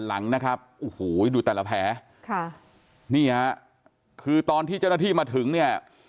หลังนะครับโอ้โหดูแต่ละแผลค่ะนี่ฮะคือตอนที่เจ้าหน้าที่มาถึงเนี่ย